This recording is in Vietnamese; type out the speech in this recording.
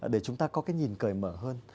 để chúng ta có cái nhìn cười mở hơn